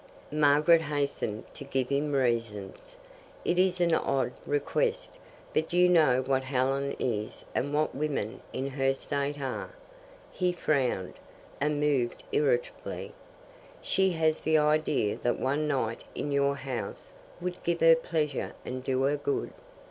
Margaret hastened to give him reasons. "It is an odd request, but you know what Helen is and what women in her state are." He frowned, and moved irritably. "She has the idea that one night in your house would give her pleasure and do her good.